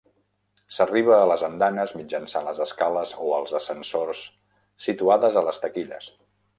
S'arriba a les andanes mitjançant les escales o els ascensors situades a les taquilles.